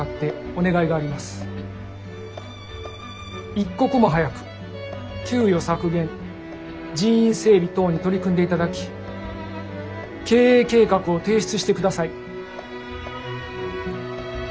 一刻も早く給与削減人員整理等に取り組んでいただき経営計画を提出してください。